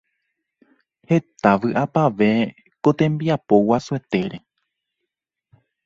Heta vyʼapavẽ ko tembiapo guasuetére.